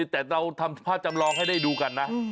แต่เราทำภาพจำลองให้ได้ดูกันนะ